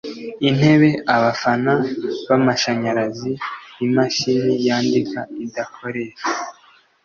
intebe, abafana b'amashanyarazi, imashini yandika idakoreshwa